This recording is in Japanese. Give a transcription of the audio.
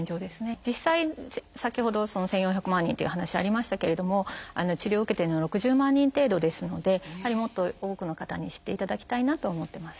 実際先ほど１，４００万人っていう話ありましたけれども治療を受けてるのは６０万人程度ですのでもっと多くの方に知っていただきたいなと思ってます。